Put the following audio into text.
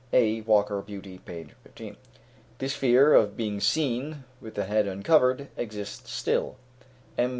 (A. Walker, Beauty, p. 15.) This fear of being seen with the head uncovered exists still, M.